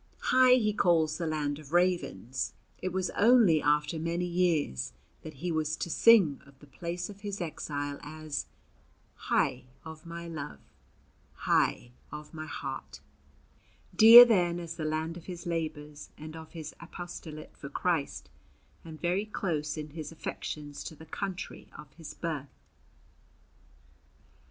Hy, he calls the "land of ravens"; it was only after many years that he was to sing of the place of his exile as Hy of my love, Hy of my heart, dear then as the land of his labours and of his apostolate for Christ, and very close in his affections to the country of his birth.